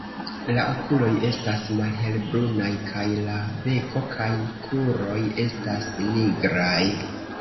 La okuloj estas malhelbrunaj kaj la beko kaj kruroj estas nigraj.